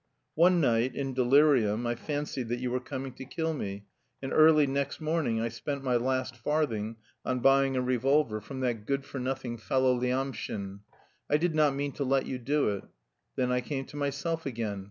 "One night, in delirium, I fancied that you were coming to kill me, and early next morning I spent my last farthing on buying a revolver from that good for nothing fellow Lyamshin; I did not mean to let you do it. Then I came to myself again...